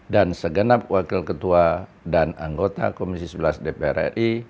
dan segenap wakil ketua dan anggota komisi sebelas dpr ri